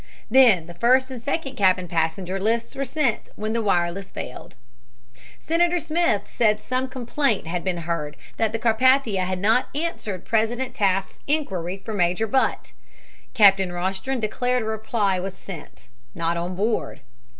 Then the first and second cabin passenger lists were sent, when the wireless failed. Senator Smith said some complaint had been heard that the Carpathia had not answered President Taft's inquiry for Major Butt. Captain Rostron declared a reply was sent, "Not on board."